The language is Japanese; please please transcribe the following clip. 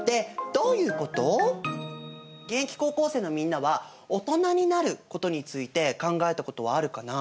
現役高校生のみんなはオトナになることについて考えたことはあるかな？